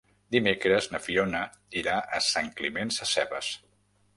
Dimecres na Fiona irà a Sant Climent Sescebes.